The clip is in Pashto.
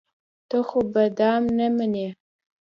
ته خو به دام نه منې.